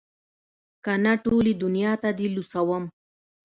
که نه ټولې دونيا ته دې لوڅوم.